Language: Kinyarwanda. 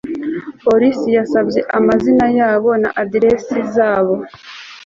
umupolisi yasabye amazina yabo na aderesi zabo